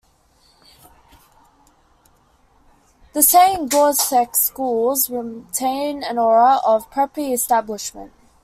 The Saint Grottlesex schools retain an aura of preppy establishment.